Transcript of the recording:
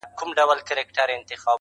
نه له واسکټه اندېښنه نه له بمونو وېره،